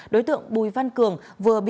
đối tượng bùi văn cường vừa bị